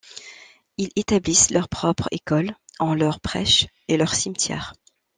Ils établissent leur propre école, ont leurs prêches et leur cimetière.